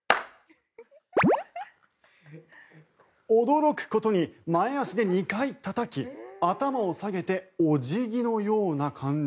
驚くことに前足で２回たたき頭を下げてお辞儀のような感じ。